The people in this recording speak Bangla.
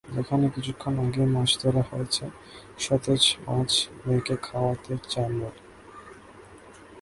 যেখানে কিছুক্ষণ আগেই মাছ ধরা হয়েছে, সতেজ মাছ মেয়েকে খাওয়াতে চান বলে।